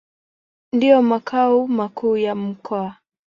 Ndio makao makuu ya mkoa.